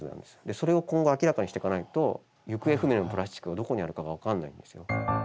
それを今後明らかにしていかないと行方不明のプラスチックがどこにあるかが分からないんですよ。